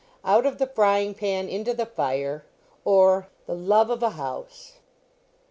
OUT OF THE FRYING PAN INTO THE FIRE; OR, THE LOVE OF A HOUSE.